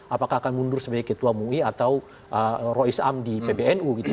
apakah akan mundur sebagai ketua mui atau rois am di pbnu gitu ya